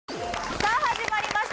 さあ始まりました